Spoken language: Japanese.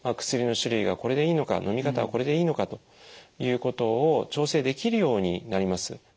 薬の種類はこれでいいのかのみ方はこれでいいのかということを調整できるようになります。